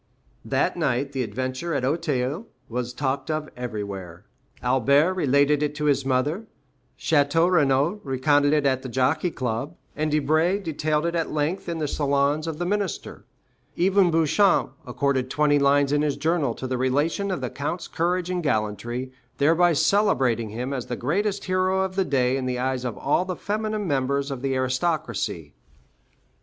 That night the adventure at Auteuil was talked of everywhere. Albert related it to his mother; Château Renaud recounted it at the Jockey Club, and Debray detailed it at length in the salons of the minister; even Beauchamp accorded twenty lines in his journal to the relation of the count's courage and gallantry, thereby celebrating him as the greatest hero of the day in the eyes of all the feminine members of the aristocracy.